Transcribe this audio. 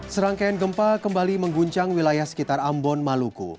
serangkaian gempa kembali mengguncang wilayah sekitar ambon maluku